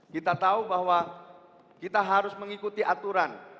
kita tahu bahwa kita harus mengikuti aturan